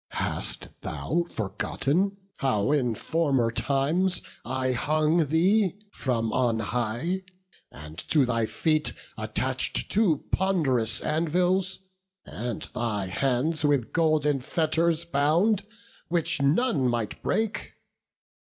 Hast thou forgotten how in former times I hung thee from on high, and to thy feet Attach'd two pond'rous anvils, and thy hands With golden fetters bound, which none might break?